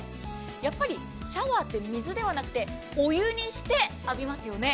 やっぱりシャワーって水ではなくてお湯にして浴びますよね。